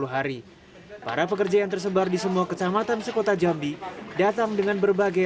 hari para pekerja yang tersebar di semua kecamatan sekota jambi datang dengan berbagai